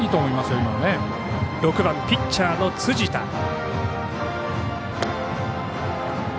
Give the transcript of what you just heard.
打席は６番、ピッチャーの辻田。